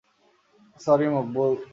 Sorry, Maqbool.